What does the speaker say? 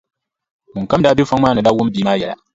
Ŋun kam daa be fɔŋ maa ni daa wum bia maa yɛla.